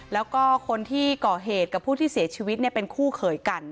แล้วก็คนที่ก่อเหตุกับผู้ที่เสียชีวิตเป็นคู่เขยกัน